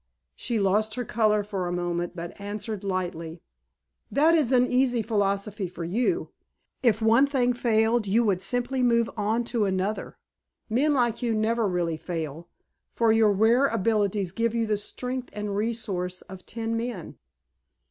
She lost her color for a moment, but answered lightly: "That is an easy philosophy for you. If one thing failed you would simply move on to another. Men like you never really fail, for your rare abilities give you the strength and resource of ten men."